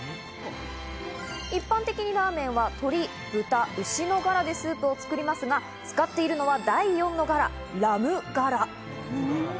一般的にラーメンは鶏、豚、牛のガラでスープを作りますが、使っているのは第４のガラ、ラムガラ。